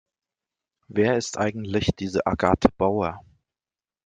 Wer ist eigentlich diese Agathe Bauer?